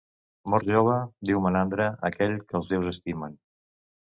Mor jove, diu Menandre, aquell que els déus estimen.